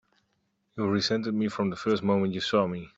You've resented me from the first moment you saw me!